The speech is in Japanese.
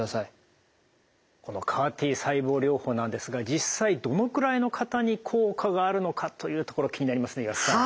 このＣＡＲ−Ｔ細胞療法なんですが実際どのくらいの方に効果があるのかというところ気になりますね岩田さん。